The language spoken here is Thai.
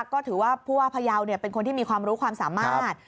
ก็ถือว่าผู้ว่าพยาวเป็นคนที่มีความรู้ความสามารถ